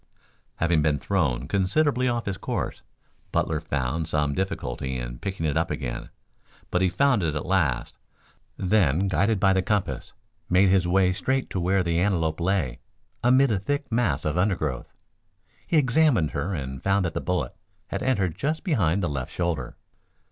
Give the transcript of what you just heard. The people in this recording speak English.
Having been thrown considerably off his course, Butler found some difficulty in picking it up again, but he found it at last, then guided by the compass made his way straight to where the antelope lay amid a thick mass of undergrowth. He examined her and found that the bullet had entered just behind the left shoulder.